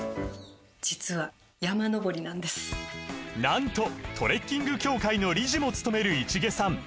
実はなんとトレッキング協会の理事もつとめる市毛さん